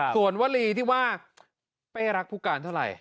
ส่วนวลีที่ว่าเป้รักผู้การเท่าไหร่